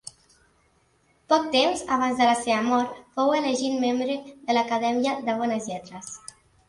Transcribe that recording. Poc temps abans de la seva mort fou elegit membre de l'Acadèmia de Bones Lletres.